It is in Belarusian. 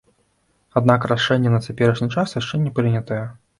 Аднак рашэнне на цяперашні час яшчэ не прынятае.